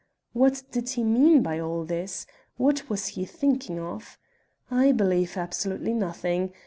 What did he mean by all this? What was he thinking of? I believe absolutely nothing.